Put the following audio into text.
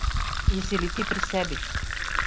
Јеси ли ти при себи?